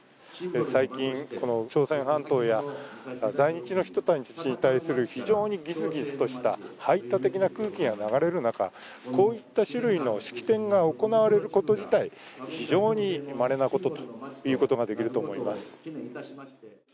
最近この朝鮮半島や在日の人たちに対する非常にギスギスとした排他的な空気が流れる中こういった種類の式典が行われること自体、非常にまれなことと言うことができると思います。